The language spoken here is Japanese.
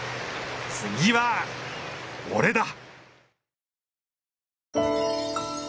次は、俺だ！